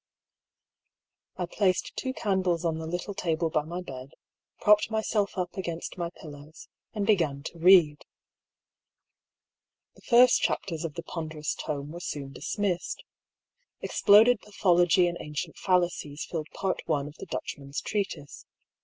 I placed two candles on the little table by my bed, propped myself up against my pillows, and began to read. The first chapters of the ponderous tome were soon dismissed. Exploded pathology and ancient fallacies filled Part I. of the Dutchman's treatise.